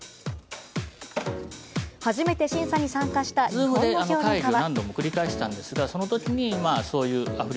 初めて審査に参加した日本の評論家は。